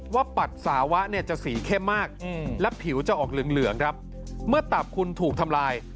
ว่าปัดสาวะเนี่ยจะสีเข้มมากและผิวจะออกเหลืองเหมือนตามคุณถูกทำลาย